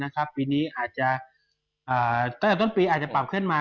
ตั้งแต่ต้นปีอาจจะปรับขึ้นมา